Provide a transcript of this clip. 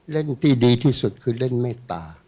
เล่นที่ดีที่สุดคือเล่นเมตตา